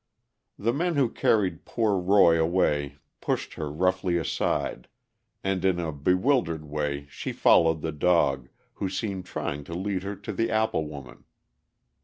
The men who carried poor Roy away pushed her roughly aside, and in a bewildered way she followed the dog, who seemed trying to lead her to the apple woman.